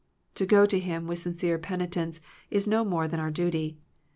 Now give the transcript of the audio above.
To go to him with sincere penitence is no more than our duty.